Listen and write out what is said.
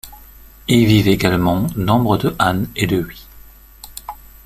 Y vivent également nombre de Han et de Hui.